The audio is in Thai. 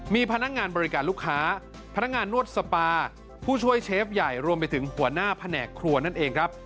มีพนักงานบริการลูกค้าพนักงานนวดสปาผู้ช่วยเชฟใหญ่รวมไปถึงหัวหน้าแผนกครัวนั่นเองครับ